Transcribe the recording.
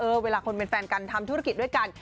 เวลาคนเป็นแฟนกันทำธุรกิจด้วยกัน